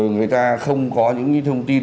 người ta không có những cái thông tin